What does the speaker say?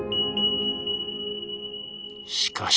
しかし。